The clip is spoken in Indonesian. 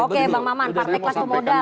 oke bang maman partai kelas pemodal